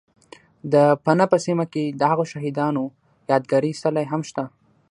، د پنه په سیمه کې دهغو شهید انو یاد گاري څلی هم شته